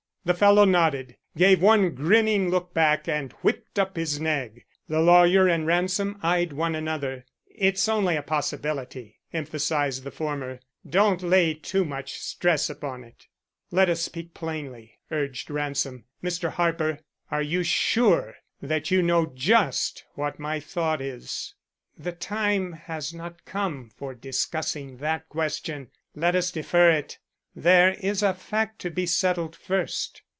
The fellow nodded; gave one grinning look back and whipped up his nag. The lawyer and Ransom eyed one another. "It's only a possibility," emphasized the former. "Don't lay too much stress upon it." "Let us speak plainly," urged Ransom. "Mr. Harper, are you sure that you know just what my thought is?" "The time has not come for discussing that question. Let us defer it. There is a fact to be settled first."